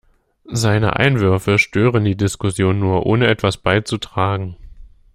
Seine Einwürfe stören die Diskussion nur, ohne etwas beizutragen.